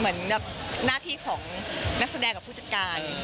มันเป็นหน้าที่ของนักแสดงกับผู้จัดการ